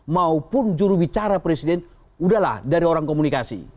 maupun jurubicara presiden udahlah dari orang komunikasi